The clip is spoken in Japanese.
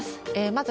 まず、